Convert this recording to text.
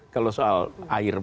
kalau soal air pump